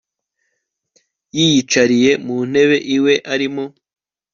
yiyicariye muntebe iwe arimo